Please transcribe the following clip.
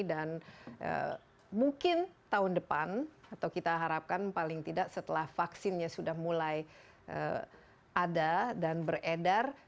dan mungkin tahun depan atau kita harapkan paling tidak setelah vaksinnya sudah mulai ada dan beredar